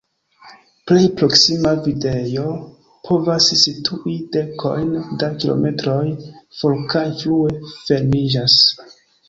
Plej proksima vendejo povas situi dekojn da kilometroj for kaj frue fermiĝas.